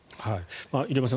入山さん